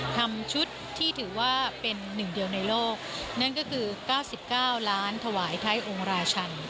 ทำชุดที่ถือว่าเป็นหนึ่งเดียวในโลกนั่นก็คือ๙๙ล้านถวายไทยองค์ราชัน